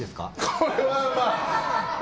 これは、まあ。